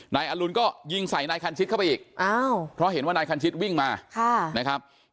นายอรุณก็ยิงใส่นายคันชิดเข้าไปอีกเพราะเห็นว่านายคันชิตวิ่งมานะครับ